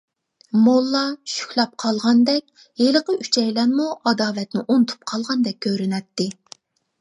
موللا شۈكلەپ قالغاندەك، ھېلىقى ئۈچەيلەنمۇ ئاداۋەتنى ئۇنتۇپ قالغاندەك كۆرۈنەتتى.